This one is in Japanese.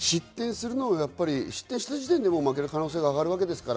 失点した時点で負ける可能性が上がるわけですから。